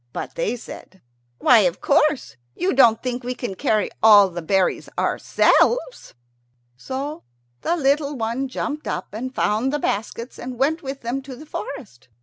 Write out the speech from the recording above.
But they said, "Why, of course. You don't think we can carry all the berries ourselves!" So the little one jumped up, and found the baskets, and went with them to the forest.